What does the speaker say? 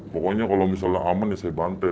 pokoknya kalau misalnya aman ya saya bantai